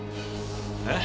えっ？